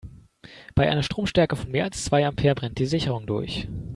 Bei einer Stromstärke von mehr als zwei Ampere brennt die Sicherung durch.